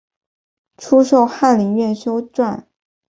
初授翰林院修撰。